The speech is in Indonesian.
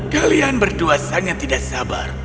kalian berdua sangat tidak sabar